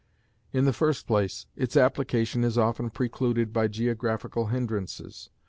In the first place, its application is often precluded by geographical hindrances.